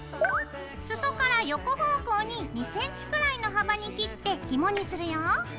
裾から横方向に２ｃｍくらいの幅に切ってひもにするよ。